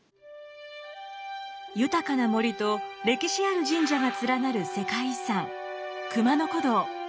豊かな森と歴史ある神社が連なる世界遺産熊野古道。